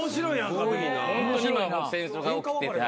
ホントに今戦争が起きてて。